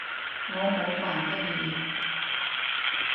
我冇扮得意